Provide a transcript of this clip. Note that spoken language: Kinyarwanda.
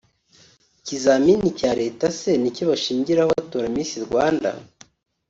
Ikizamini cya Leta se nicyo bashingiraho batora Miss Rwanda